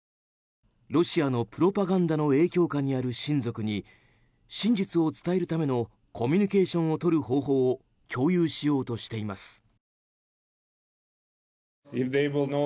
ロシアのプロパガンダの影響下にある親族に真実を伝えるためのコミュニケーションをとる方法を共有しようとしています。